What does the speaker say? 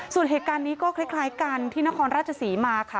ส่วนเหตุการณ์นี้ก็คล้ายกันที่นครราชศรีมาค่ะ